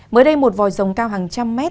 mới đây một vòi dòng cao hàng trăm mét